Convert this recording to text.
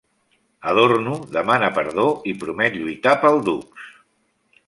Adorno demana perdó i promet lluitar pel dux.